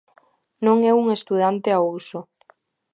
Non é un estudante ao uso.